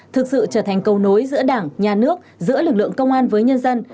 thực sự trở thành cầu nối giữa đảng nhà nước giữa lực lượng công an với nhân dân